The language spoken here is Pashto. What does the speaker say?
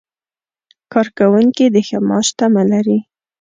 کارکوونکي د ښه معاش تمه لري.